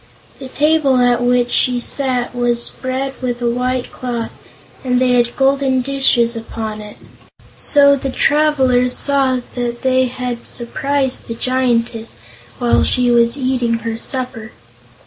The table at which she sat was spread with a white cloth and had golden dishes upon it, so the travelers saw that they had surprised the Giantess while she was eating her supper.